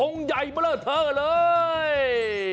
องค์ใหญ่เมล็ดเธอเลย